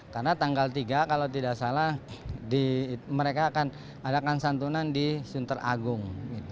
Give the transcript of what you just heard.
karena tanggal tiga kalau tidak salah mereka akan adakan santunan di sunter agung